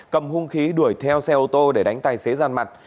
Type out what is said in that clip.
cầm hung khí đuổi theo xe ô tô để đánh tài xế gian mặt